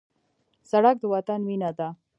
سړک د وطن وینه ده.